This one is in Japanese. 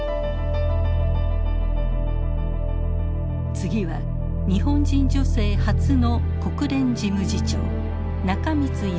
次は日本人女性初の国連事務次長中満泉氏。